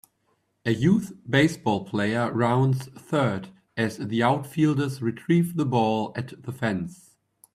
A youth baseball player rounds third as the outfielders retrieve the ball at the fence.